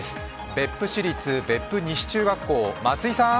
別府市立別府西中学校、松井さん。